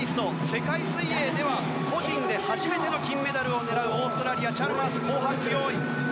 世界水泳では個人で初めての金メダルを狙うオーストラリアチャルマース、後半に強い。